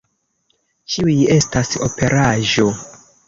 Ĉiuj estas operaĵo.